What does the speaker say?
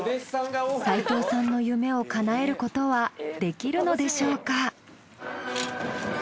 斉藤さんの夢をかなえることはできるのでしょうか？